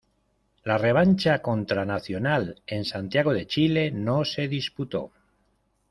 La revancha contra Nacional en Santiago de Chile no se disputó.